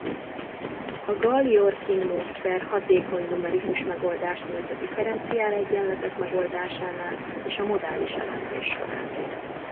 A Galjorkin-módszer hatékony numerikus megoldást nyújt a differenciálegyenletek megoldásánál és a modális elemzés során.